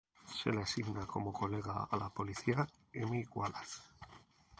Se le asigna como colega a la policía Amy Wallace.